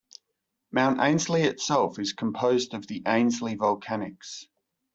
Mount Ainslie itself is composed of the Ainslie Volcanics.